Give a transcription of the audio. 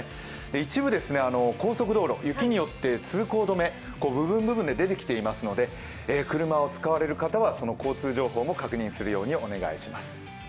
一部、高速道路、雪によって通行止め部分部分で出てきていますので車を使われる方は交通情報も確認するようにお願いします。